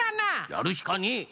やるしかねえ！